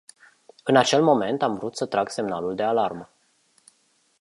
În acel moment am vrut să trag semnalul de alarmă.